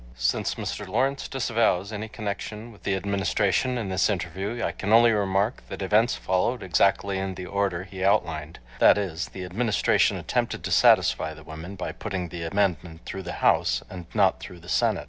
Since Mr. Lawrence disavows any connection with the 4dministration in this interview, I can only remark that events followed exactly in the order he outlined; that is, the Administration attempted to satisfy the women by putting the amendment through the House and not through the Senate.